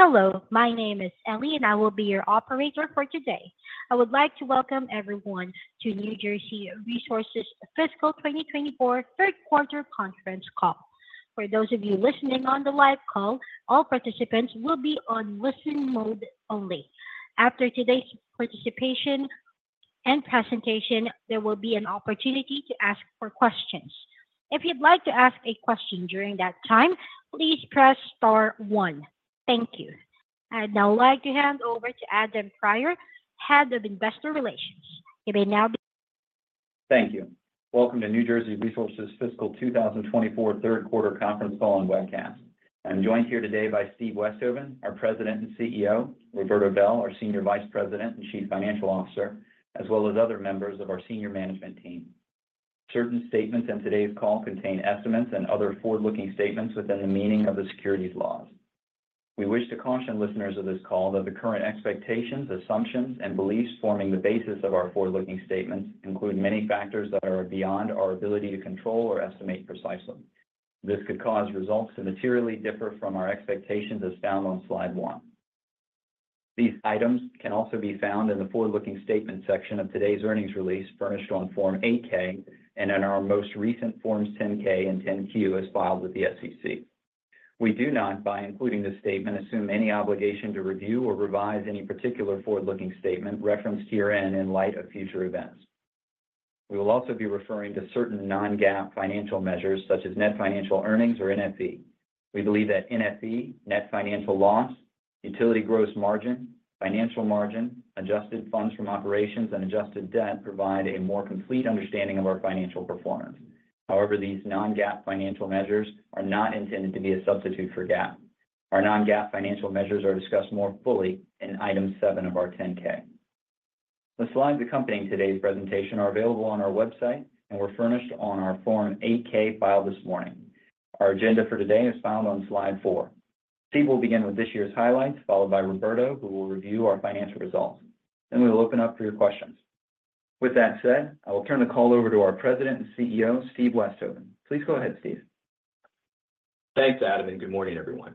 Hello, my name is Ellie, and I will be your operator for today. I would like to welcome everyone to New Jersey Resources Fiscal 2024 third quarter conference call. For those of you listening on the live call, all participants will be on listen mode only. After today's participation and presentation, there will be an opportunity to ask for questions. If you'd like to ask a question during that time, please press star one. Thank you. I'd now like to hand over to Adam Pryor, Head of Investor Relations. You may now begin. Thank you. Welcome to New Jersey Resources fiscal 2024 third quarter conference call and webcast. I'm joined here today by Steve Westhoven, our President and CEO, Roberto Bel, our Senior Vice President and Chief Financial Officer, as well as other members of our senior management team. Certain statements in today's call contain estimates and other forward-looking statements within the meaning of the securities laws. We wish to caution listeners of this call that the current expectations, assumptions, and beliefs forming the basis of our forward-looking statements include many factors that are beyond our ability to control or estimate precisely. This could cause results to materially differ from our expectations, as found on slide one. These items can also be found in the forward-looking statement section of today's earnings release, furnished on Form 8-K, and in our most recent forms 10-K and 10-Q, as filed with the SEC. We do not, by including this statement, assume any obligation to review or revise any particular forward-looking statement referenced herein in light of future events. We will also be referring to certain non-GAAP financial measures, such as net financial earnings or NFE. We believe that NFE, net financial earnings, utility gross margin, financial margin, adjusted funds from operations, and adjusted debt provide a more complete understanding of our financial performance. However, these non-GAAP financial measures are not intended to be a substitute for GAAP. Our non-GAAP financial measures are discussed more fully in item 7 of our 10-K. The slides accompanying today's presentation are available on our website and were furnished on our Form 8-K filed this morning. Our agenda for today is found on slide four. Steve will begin with this year's highlights, followed by Roberto, who will review our financial results. Then we will open up for your questions. With that said, I will turn the call over to our President and Chief Executive Officer, Steve Westhoven. Please go ahead, Steve. Thanks, Adam, and good morning, everyone.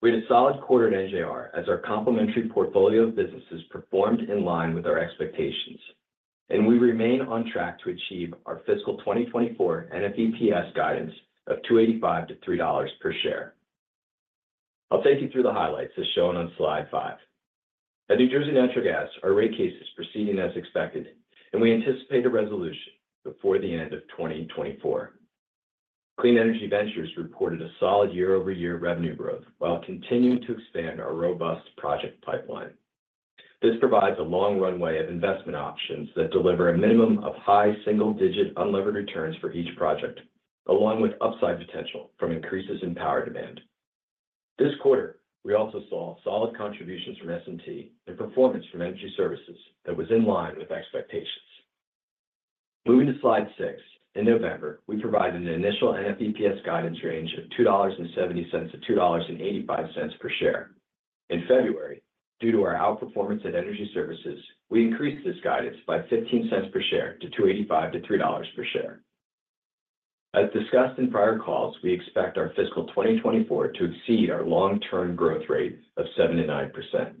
We had a solid quarter at NJR as our complementary portfolio of businesses performed in line with our expectations, and we remain on track to achieve our fiscal 2024 NFEPS guidance of $2.85-$3 per share. I'll take you through the highlights, as shown on slide 5. At New Jersey Natural Gas, our rate case is proceeding as expected, and we anticipate a resolution before the end of 2024. Clean Energy Ventures reported a solid year-over-year revenue growth while continuing to expand our robust project pipeline. This provides a long runway of investment options that deliver a minimum of high single-digit unlevered returns for each project, along with upside potential from increases in power demand. This quarter, we also saw solid contributions from S&T and performance from Energy Services that was in line with expectations. Moving to slide six. In November, we provided an initial NFEPS guidance range of $2.70-$2.85 per share. In February, due to our outperformance at Energy Services, we increased this guidance by $0.15 per share to $2.85-$3.00 per share. As discussed in prior calls, we expect our fiscal 2024 to exceed our long-term growth rate of 7%-9%.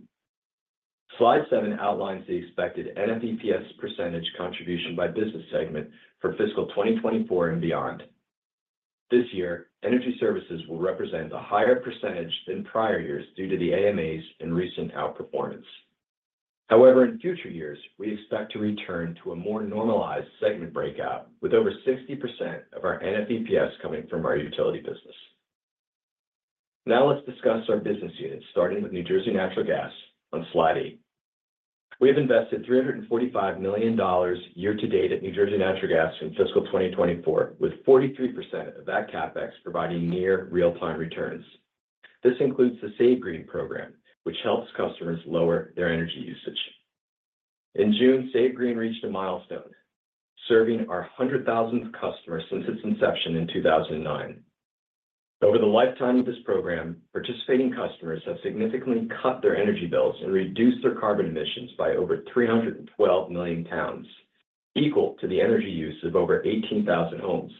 Slide seven outlines the expected NFEPS percentage contribution by business segment for fiscal 2024 and beyond. This year, Energy Services will represent a higher percentage than prior years due to the AMAs and recent out performance. However, in future years, we expect to return to a more normalized segment breakout, with over 60% of our NFEPS coming from our utility business. Now let's discuss our business units, starting with New Jersey Natural Gas on slide eight. We have invested $345 million year to date at New Jersey Natural Gas in fiscal 2024, with 43% of that CapEx providing near real-time returns. This includes the Save Green Program, which helps customers lower their energy usage. In June, Save Green reached a milestone, serving our 100,000th customer since its inception in 2009. Over the lifetime of this program, participating customers have significantly cut their energy bills and reduced their carbon emissions by over 312 million pounds, equal to the energy use of over 18,000 homes.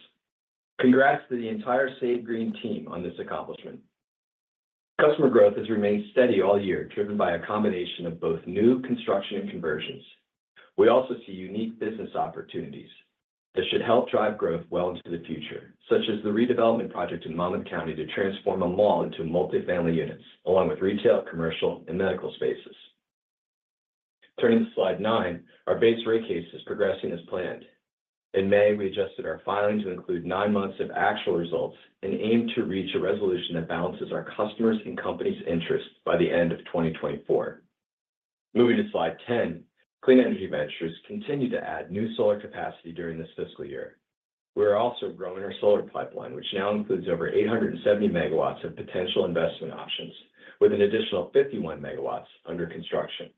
Congrats to the entire Save Green team on this accomplishment. Customer growth has remained steady all year, driven by a combination of both new construction and conversions. We also see unique business opportunities that should help drive growth well into the future, such as the redevelopment project in Monmouth County to transform a mall into multifamily units, along with retail, commercial, and medical spaces. Turning to slide nine, our base rate case is progressing as planned. In May, we adjusted our filing to include nine months of actual results and aim to reach a resolution that balances our customers' and company's interests by the end of 2024. Moving to slide 10. Clean Energy Ventures continued to add new solar capacity during this fiscal year. We are also growing our solar pipeline, which now includes over 870 megawatts of potential investment options, with an additional 51 megawatts under construction.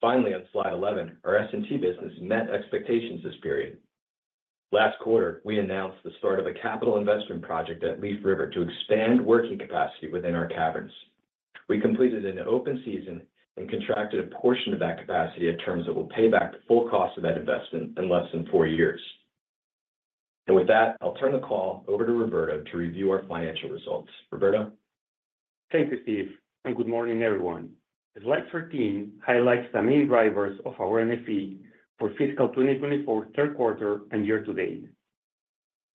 Finally, on slide 11, our S&T business met expectations this period. Last quarter, we announced the start of a capital investment project at Leaf River to expand working capacity within our caverns. We completed an open season and contracted a portion of that capacity at terms that will pay back the full cost of that investment in less than four years.... And with that, I'll turn the call over to Roberto to review our financial results. Roberto? Thank you, Steve, and good morning, everyone. Slide 13 highlights the main drivers of our NFE for fiscal 2024 third quarter and year to date.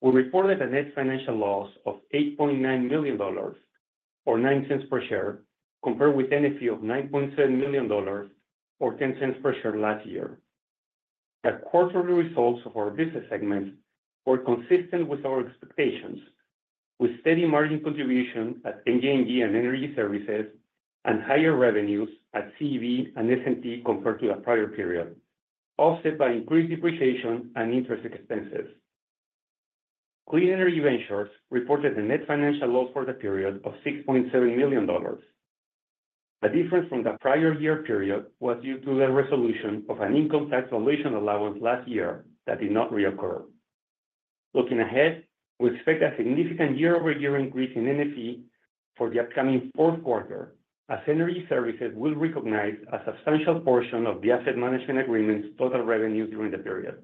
We reported a net financial loss of $8.9 million, or $0.09 per share, compared with NFE of $9.7 million, or $0.10 per share last year. The quarterly results of our business segments were consistent with our expectations, with steady margin contribution at NJNG and Energy Services, and higher revenues at CEV and S&T compared to the prior period, offset by increased depreciation and interest expenses. Clean Energy Ventures reported a net financial loss for the period of $6.7 million. The difference from the prior year period was due to a resolution of an income tax valuation allowance last year that did not reoccur. Looking ahead, we expect a significant year-over-year increase in NFE for the upcoming fourth quarter, as Energy Services will recognize a substantial portion of the asset management agreement's total revenue during the period.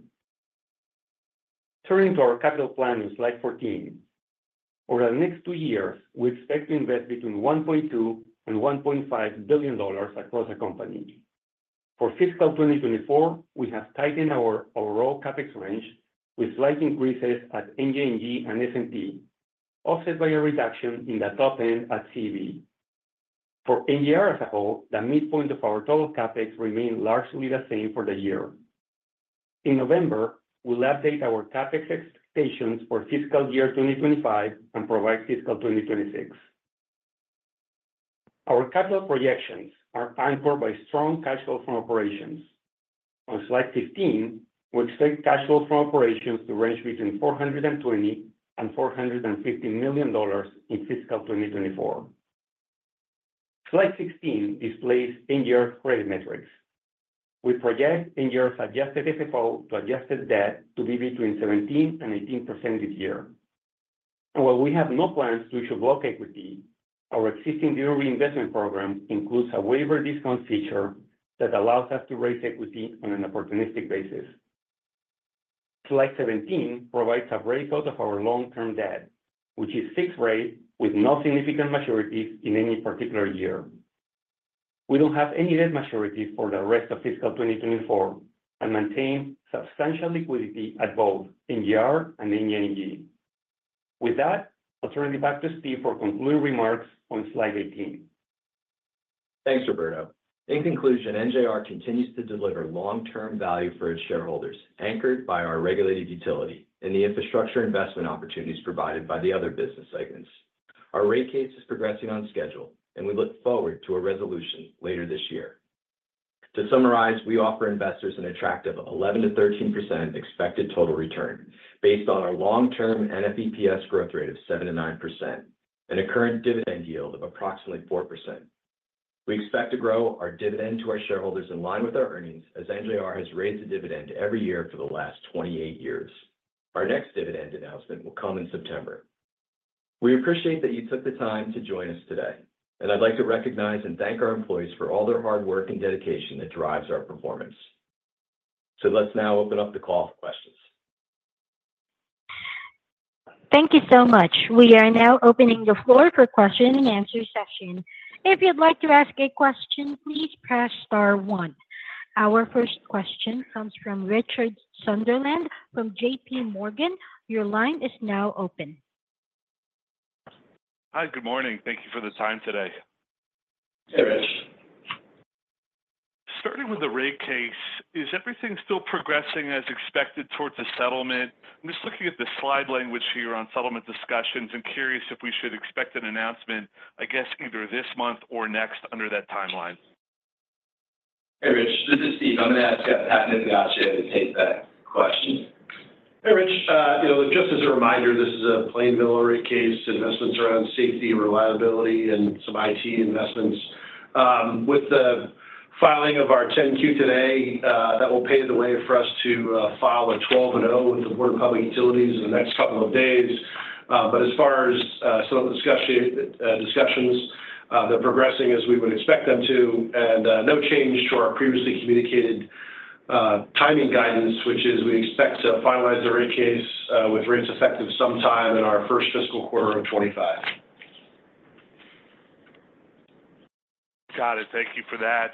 Turning to our capital plan in slide 14. Over the next two years, we expect to invest between $1.2 billion and $1.5 billion across the company. For fiscal 2024, we have tightened our overall CapEx range with slight increases at NJNG and S&T, offset by a reduction in the top end at CEV. For NJR as a whole, the midpoint of our total CapEx remain largely the same for the year. In November, we'll update our CapEx expectations for fiscal year 2025 and provide fiscal 2026. Our capital projections are anchored by strong cash flow from operations. On slide 15, we expect cash flow from operations to range between $420 million and $450 million in fiscal 2024. Slide 16 displays NJR's credit metrics. We project NJR's adjusted FFO to adjusted debt to be between 17%-18% this year. And while we have no plans to issue block equity, our existing Dividend Reinvestment Program includes a waiver discount feature that allows us to raise equity on an opportunistic basis. Slide 17 provides a breakout of our long-term debt, which is fixed rate with no significant maturities in any particular year. We don't have any debt maturities for the rest of fiscal 2024 and maintain substantial liquidity at both NJR and NJNG. With that, I'll turn it back to Steve for concluding remarks on slide 18. Thanks, Roberto. In conclusion, NJR continues to deliver long-term value for its shareholders, anchored by our regulated utility and the infrastructure investment opportunities provided by the other business segments. Our rate case is progressing on schedule, and we look forward to a resolution later this year. To summarize, we offer investors an attractive 11%-13% expected total return based on our long-term NFEPS growth rate of 7%-9% and a current dividend yield of approximately 4%. We expect to grow our dividend to our shareholders in line with our earnings, as NJR has raised the dividend every year for the last 28 years. Our next dividend announcement will come in September. We appreciate that you took the time to join us today, and I'd like to recognize and thank our employees for all their hard work and dedication that drives our performance. Let's now open up the call for questions. Thank you so much. We are now opening the floor for question and answer session. If you'd like to ask a question, please press star one. Our first question comes from Richard Sunderland from J.P. Morgan. Your line is now open. Hi, good morning. Thank you for the time today. Hey, Rich. Starting with the rate case, is everything still progressing as expected towards a settlement? I'm just looking at the slide language here on settlement discussions and curious if we should expect an announcement, I guess, either this month or next under that timeline? Hey, Rich, this is Steve. I'm going to ask Pat Migliaccio to take that question. Hey, Rich. You know, just as a reminder, this is a base rate case, investments around safety, reliability, and some IT investments. With the filing of our 10-Q today, that will pave the way for us to file a 12 and 0 with the Board of Public Utilities in the next couple of days. But as far as some of the discussions, they're progressing as we would expect them to, and no change to our previously communicated timing guidance, which is we expect to finalize the rate case with rates effective sometime in our first fiscal quarter of 2025. Got it. Thank you for that.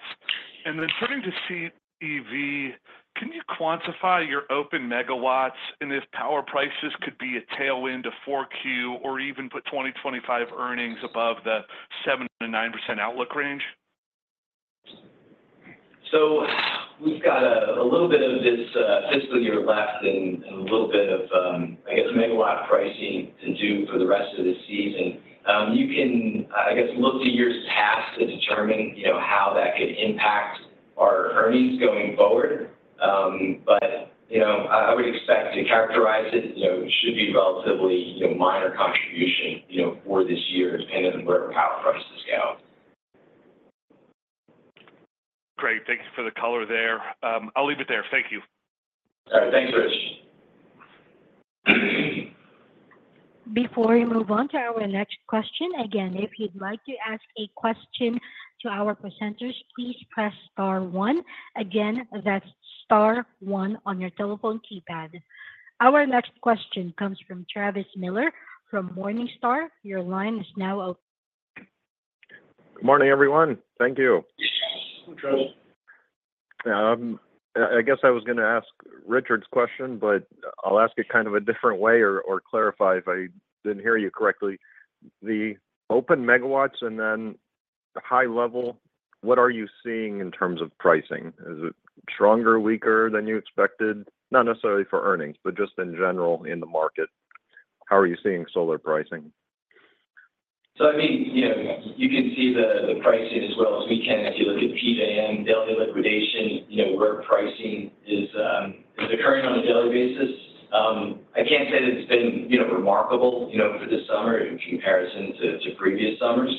And then turning to CEV, can you quantify your open megawatts, and if power prices could be a tailwind to 4Q or even put 2025 earnings above the 7%-9% outlook range? So we've got a little bit of this fiscal year left and a little bit of, I guess, megawatt pricing to do for the rest of the season. You can, I guess, look to years past to determine, you know, how that could impact our earnings going forward. But, you know, I would expect to characterize it, you know, should be relatively, you know, minor contribution, you know, for this year, depending on where power prices go. Great. Thank you for the color there. I'll leave it there. Thank you. All right. Thanks, Rich. Before we move on to our next question, again, if you'd like to ask a question to our presenters, please press star one. Again, that's star one on your telephone keypad. Our next question comes from Travis Miller from Morningstar. Your line is now open. Good morning, everyone. Thank you. Good morning, Travis. I guess I was gonna ask Richard's question, but I'll ask it kind of a different way or clarify if I didn't hear you correctly. The open megawatts and then the high level, what are you seeing in terms of pricing? Is it stronger, weaker than you expected? Not necessarily for earnings, but just in general in the market, how are you seeing solar pricing? So I mean, you know, you can see the pricing as well as we can. If you look at PJM daily liquidation, you know, where pricing is occurring on a daily basis. I can't say that it's been, you know, remarkable, you know, for this summer in comparison to previous summers.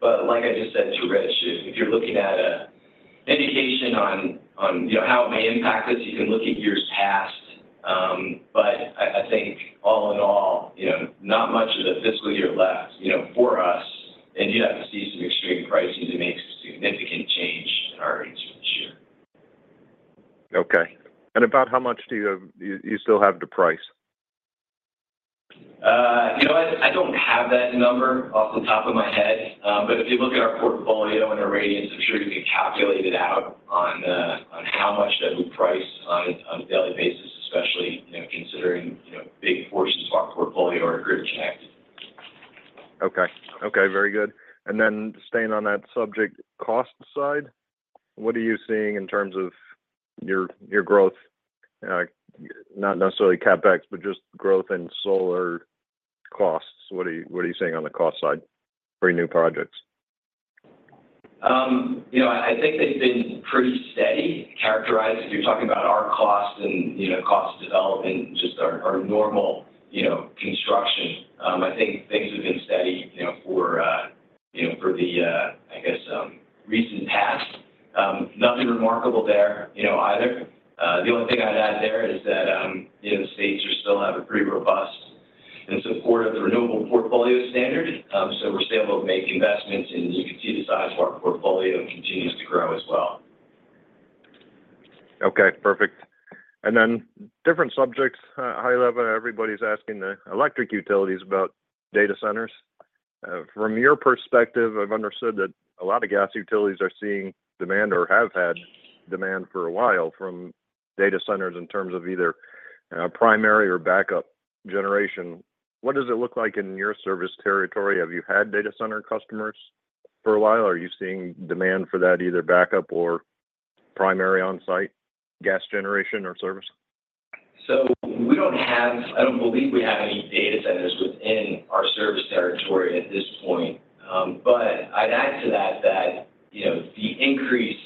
But like I just said to Rich, if you're looking at an indication on, you know, how it may impact us, you can look at years past. But I think all in all, you know, not much of the fiscal year left, you know, for us, and you'd have to see some extreme pricing to make significant change in our earnings for this year. Okay. And about how much do you still have to price? You know what? I don't have that number off the top of my head. But if you look at our portfolio and our irradiance, I'm sure you can calculate it out on, on how much that we price on a, on a daily basis, especially, you know, considering, you know, big portions of our portfolio are grid connected. Okay. Okay, very good. And then staying on that subject cost side, what are you seeing in terms of your growth? Not necessarily CapEx, but just growth in solar costs. What are you seeing on the cost side for your new projects? You know, I think they've been pretty steady, characterized. If you're talking about our costs and, you know, cost of development, just our normal, you know, construction. I think things have been steady, you know, for, you know, for the, I guess, recent past. Nothing remarkable there, you know, either. The only thing I'd add there is that, you know, the states are still have a pretty robust in support of the Renewable Portfolio Standard. So we're still able to make investments, and you can see the size of our portfolio continues to grow as well. Okay, perfect. And then different subjects, high level, everybody's asking the electric utilities about data centers. From your perspective, I've understood that a lot of gas utilities are seeing demand or have had demand for a while from data centers in terms of either, primary or backup generation. What does it look like in your service territory? Have you had data center customers for a while? Are you seeing demand for that, either backup or primary on-site gas generation or service? So we don't have-- I don't believe we have any data centers within our service territory at this point. But I'd add to that, that, you know, the increase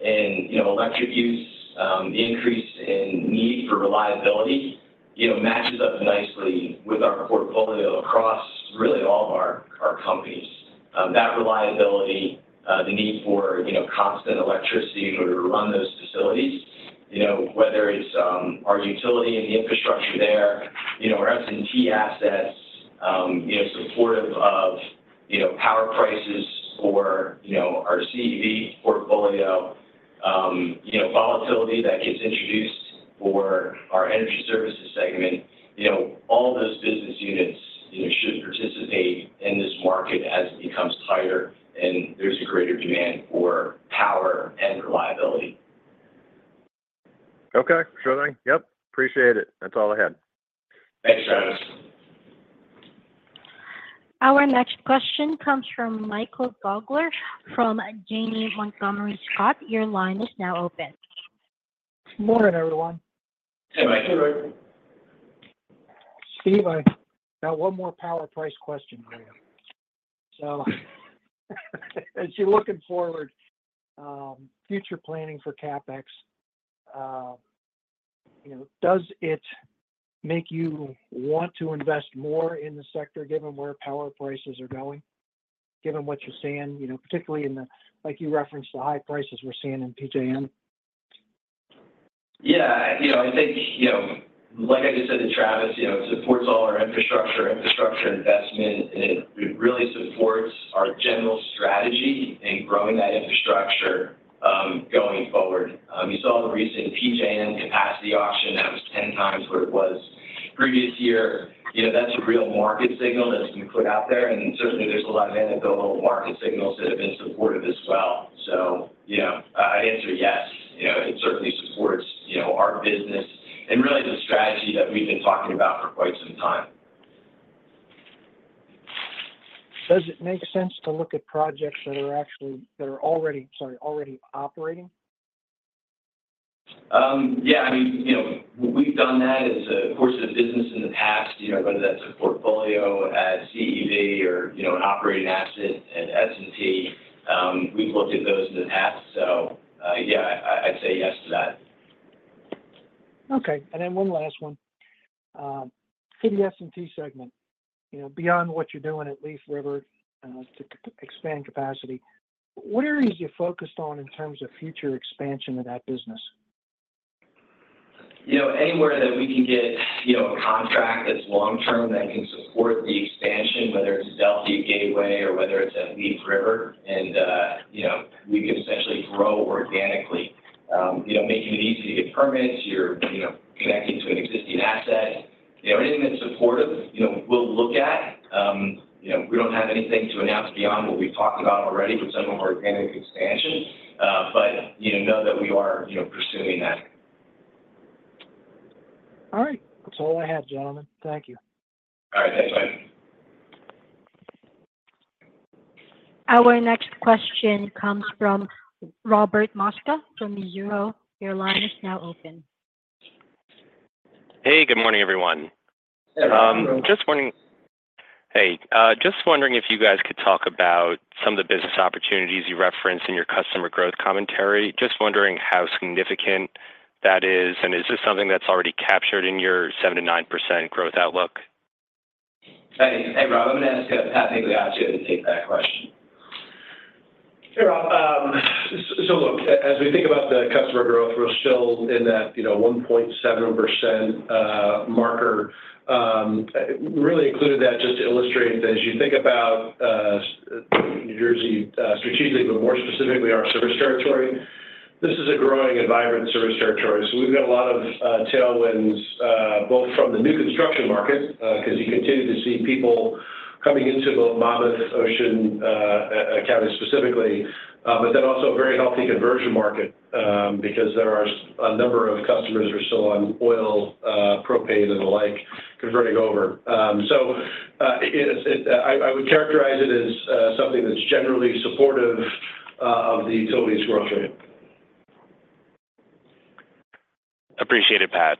in, you know, electric use, the increase in need for reliability, you know, matches up nicely with our portfolio across really all of our, our companies. That reliability, the need for, you know, constant electricity in order to run those facilities, you know, whether it's, our utility and the infrastructure there, you know, our S&T assets, you know, supportive of, you know, power prices or, you know, our CEV portfolio, you know, volatility that gets introduced for our energy services segment. You know, all those business units, you know, should participate in this market as it becomes tighter and there's a greater demand for power and reliability. Okay. Sure thing. Yep, appreciate it. That's all I had. Thanks, Travis. Our next question comes from Michael Gaugler from Janney Montgomery Scott. Your line is now open. Good morning, everyone. Hey, Mike. Steve, I got one more power price question for you. So as you're looking forward, future planning for CapEx, you know, does it make you want to invest more in the sector, given where power prices are going, given what you're seeing, you know, particularly in the—like you referenced, the high prices we're seeing in PJM? Yeah, you know, I think, you know, like I just said to Travis, you know, it supports all our infrastructure, infrastructure investment. It, it really supports our general strategy in growing that infrastructure, going forward. You saw the recent PJM capacity auction, that was 10 times where it was previous year. You know, that's a real market signal that's been put out there, and certainly there's a lot of anecdotal market signals that have been supportive as well. So, you know, I, I'd answer yes. You know, it certainly supports, you know, our business and really the strategy that we've been talking about for quite some time. Does it make sense to look at projects that are actually already operating? Yeah, I mean, you know, we've done that as a course of business in the past, you know, whether that's a portfolio at CEV or, you know, an operating asset at S&T. We've looked at those in the past, so, yeah, I'd say yes to that. Okay, and then one last one. For the S&T segment, you know, beyond what you're doing at Leaf River, to expanding capacity, where are you focused on in terms of future expansion of that business? You know, anywhere that we can get, you know, a contract that's long-term that can support the expansion, whether it's Delphi Gateway, or whether it's at Leaf River, and, you know, we can essentially grow organically. You know, making it easy to get permits, you're, you know, connecting to an existing asset. You know, anything that's supportive, you know, we'll look at. You know, we don't have anything to announce beyond what we've talked about already in terms of organic expansion. But, you know, know that we are, you know, pursuing that. All right. That's all I have, gentlemen. Thank you. All right. Thanks, Mike. Our next question comes from Robert Mosca from Mizuho Securities. Your line is now open. Hey, good morning, everyone. Hey, Robert. Just wondering if you guys could talk about some of the business opportunities you referenced in your customer growth commentary. Just wondering how significant that is, and is this something that's already captured in your 7%-9% growth outlook? Hey, hey, Rob, I'm gonna ask Pat Migliaccio to take that question. Hey, Rob. So look, as we think about the customer growth, we're still in that, you know, 1.7% marker. Really included that just to illustrate that as you think about New Jersey strategically, but more specifically our service territory, this is a growing and vibrant service territory. So we've got a lot of tailwinds both from the new construction market, cause you continue to see people coming into the Monmouth, Ocean counties specifically. But then also a very healthy conversion market, because there are a number of customers who are still on oil, propane, and the like, converting over. So, I would characterize it as something that's generally supportive of the utilities growth rate. Appreciate it, Pat.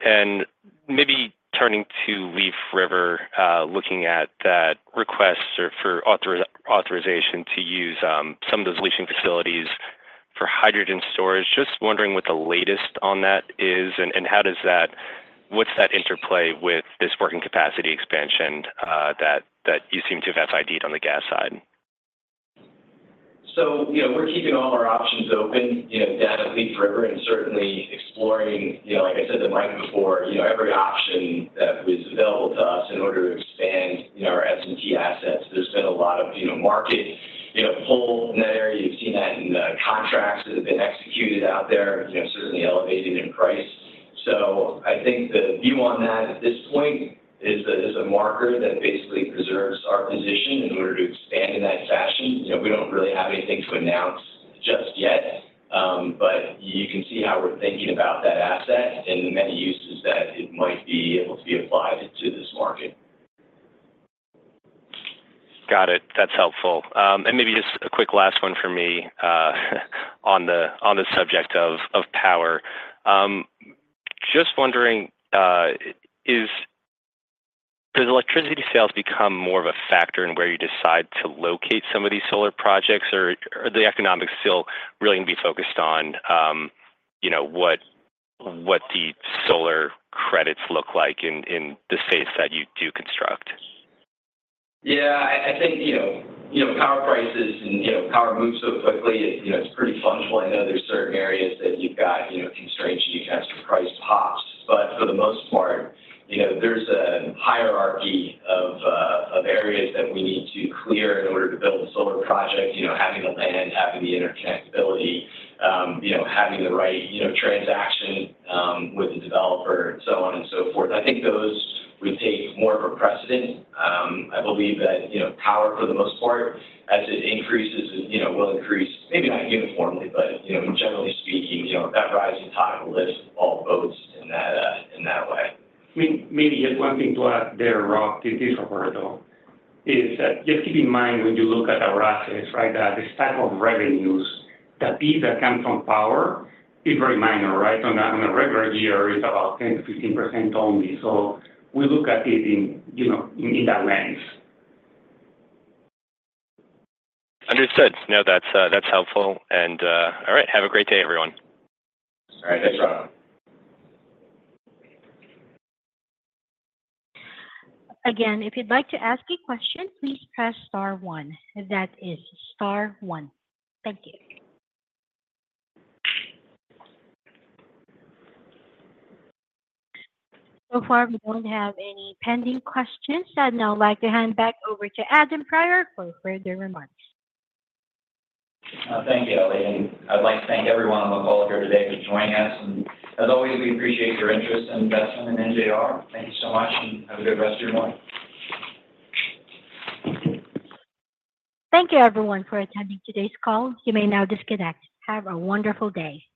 And maybe turning to Leaf River, looking at that request for, for authorization to use, some of those leaching facilities for hydrogen storage. Just wondering what the latest on that is, and, and how does that, what's that interplay with this working capacity expansion, that you seem to have ID'd on the gas side? So, you know, we're keeping all our options open, you know, data at Leaf River and certainly exploring, you know, like I said to Mike before, you know, every option that was available to us in order to expand, you know, our S&T assets. There's been a lot of, you know, market, you know, pull in that area. You've seen that in the contracts that have been executed out there, you know, certainly elevating in price. So I think the view on that, at this point, is a, is a marker that basically preserves our position in order to expand in that fashion. You know, we don't really have anything to announce just yet, but you can see how we're thinking about that asset and the many uses that it might be able to be applied to this market. Got it. That's helpful. And maybe just a quick last one for me, on the subject of power. Just wondering, did electricity sales become more of a factor in where you decide to locate some of these solar projects, or are the economics still really gonna be focused on, you know, what the solar credits look like in the space that you do construct? Yeah, I think, you know, you know, power prices and, you know, power moves so quickly, it, you know, it's pretty fungible. I know there's certain areas that you've got, you know, constraints, and you can have some price pops. But for the most part, you know, there's a hierarchy of areas that we need to clear in order to build a solar project. You know, having the land, having the interconnectability, you know, having the right, you know, transaction with the developer, so on and so forth. I think those would take more of a precedent. I believe that, you know, power, for the most part, as it increases, you know, will increase, maybe not uniformly, but, you know, generally speaking, you know, that rising tide will lift all boats in that way. I mean, maybe just one thing to add there, Rob, to Roberto, is that just keep in mind when you look at our assets, right? That this type of revenues, the piece that comes from power is very minor, right? On a regular year, it's about 10%-15% only. So we look at it in, you know, in that lens. Understood. No, that's helpful, and... All right, have a great day, everyone. All right. Thanks, Rob. Again, if you'd like to ask a question, please press star one. That is star one. Thank you. So far, we don't have any pending questions. I'd now like to hand it back over to Adam Pryor for further remarks. Thank you, Ellie. I'd like to thank everyone on the call here today for joining us, and as always, we appreciate your interest and investment in NJR. Thank you so much, and have a good rest of your morning. Thank you, everyone, for attending today's call. You may now disconnect. Have a wonderful day.